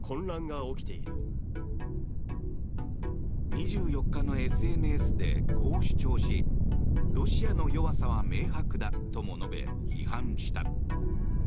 ２４日のＳＮＳでこう主張しロシアの弱さは明白だとも述べ批判した。